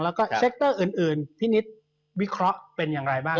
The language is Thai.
แล้วก็เซ็กเตอร์อื่นพี่นิดวิเคราะห์เป็นอย่างไรบ้าง